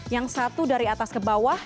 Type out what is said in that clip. yang satu dari atas ke bawah